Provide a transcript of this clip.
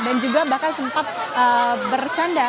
dan juga bahkan sempat bercanda